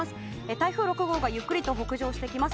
台風６号がゆっくりと北上してきます。